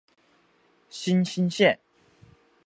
新兴线